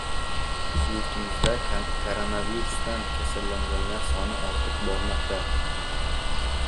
Yurtimizda koronavirusdan kasallanganlar soni ortib bormoqda